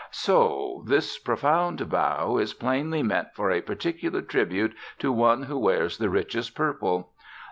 So! This profound bow is plainly meant for a particular tribute to one who wears the richest purple.